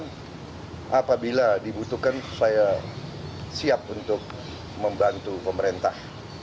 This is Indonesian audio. dan apabila dibutuhkan saya siap untuk membantu pemerintah